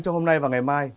trong hôm nay và ngày mai